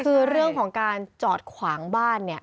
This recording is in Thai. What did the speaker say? คือเรื่องของการจอดขวางบ้านเนี่ย